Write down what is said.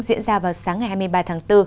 diễn ra vào sáng ngày hai mươi ba tháng bốn